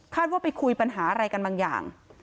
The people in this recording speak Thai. ว่าไปคุยปัญหาอะไรกันบางอย่าง